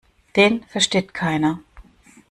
Den versteht keiner.